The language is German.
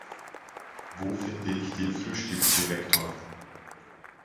Wo finde ich den Frühstücksdirektor?